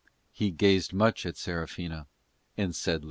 He gazed much at Serafina and said little.